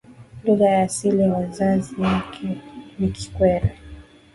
lugha ya asili ya wazazi wake ni kikwere